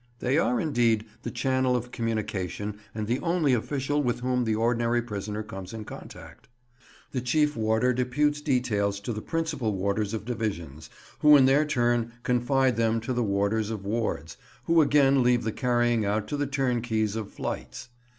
They are, indeed, the channel of communication and the only official with whom the ordinary prisoner comes in contact. The chief warder deputes details to the principal warders of divisions, who in their turn confide them to the warders of wards, who again leave the carrying out to the turnkeys of flights.